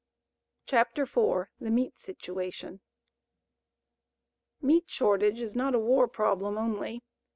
CHAPTER IV THE MEAT SITUATION Meat shortage is not a war problem only.